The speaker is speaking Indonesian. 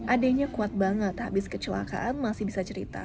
adeknya kuat banget habis kecelakaan masih bisa cerita